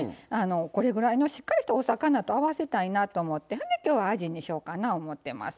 これぐらいのしっかりしたお魚と合わせたいなと思ってそんできょうはあじにしようかな思ってます。